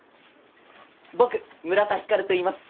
僕村田光といいます。